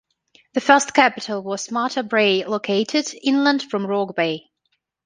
The first capital was Martha Brae, located inland from Rock Bay.